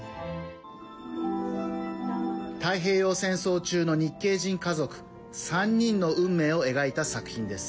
太平洋戦争中の日系人家族３人の運命を描いた作品です。